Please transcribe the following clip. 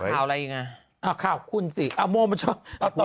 ข่าวอะไรอีกไงข่าวคุณสิโมมมาช่วย